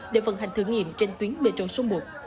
để vận hành thử nghiệm trên tuyến metro số một